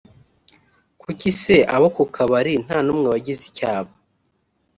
kuki se abo ku kabari nta n’umwe wagize icyo aba